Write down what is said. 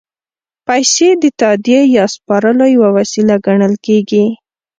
پیسې د تادیې یا سپارلو یوه وسیله ګڼل کېږي